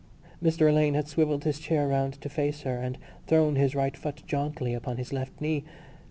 Mr Alleyne had swivelled his chair round to face her and thrown his right foot jauntily upon his left knee.